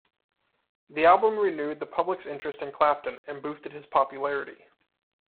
The album renewed the public's interest in Clapton, and boosted his popularity.